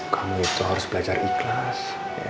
kamu itu harus belajar ikhlas